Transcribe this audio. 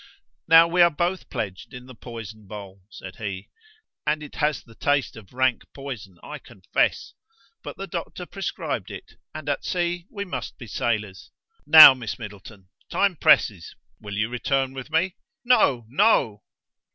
"Now we are both pledged in the poison bowl," said he. "And it has the taste of rank poison, I confess. But the doctor prescribed it, and at sea we must be sailors. Now, Miss Middleton, time presses: will you return with me?" "No! no!"